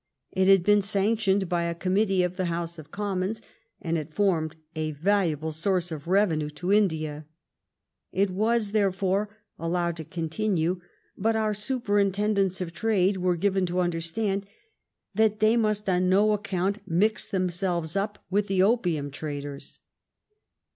It had been sanetioaed by a Committee of the House of Com monsy and it formed a valuable source of reyenue to India. It was, therefore, allowed to continue, but our superintendents of trade were given to understand that they must on no account mix themselves up with the opium traders.